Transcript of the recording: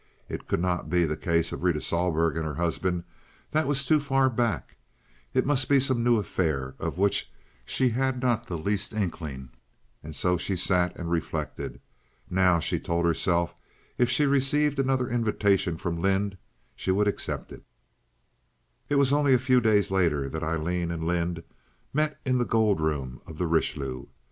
It could not be the case of Rita Sohlberg and her husband—that was too far back. It must be some new affair of which she had not the least inkling, and so she sat and reflected. Now, she told herself, if she received another invitation from Lynde she would accept it. It was only a few days later that Aileen and Lynde met in the gold room of the Richelieu.